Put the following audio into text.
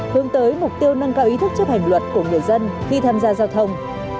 hướng tới mục tiêu nâng cao ý thức chấp hành luật của người dân khi tham gia giao thông